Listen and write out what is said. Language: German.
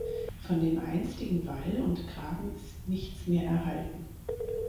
Von dem einstigen Wall und Graben ist nichts mehr erhalten.